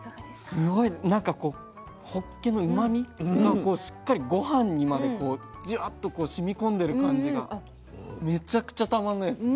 すごいなんかこうほっけのうまみがこうしっかりごはんにまでジワッとこうしみ込んでる感じがめちゃくちゃたまんないです。